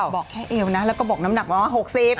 บอกแค่เอวนะแล้วก็บอกน้ำหนักมาว่า๖๐บาท